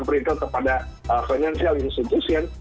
perintah kepada financial institution